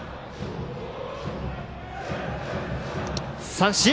三振！